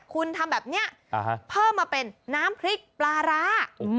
คุณทำแบบนี้เพิ่มมาเป็นน้ำพริกปลาร้า